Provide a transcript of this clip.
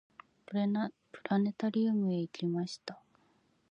プラネタリウムへ行きました。